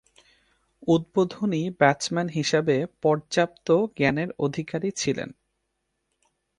উদ্বোধনী ব্যাটসম্যান হিসেবে পর্যাপ্ত জ্ঞানের অধিকারী ছিলেন।